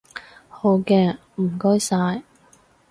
好嘅，唔該晒